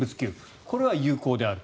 これは有効であると。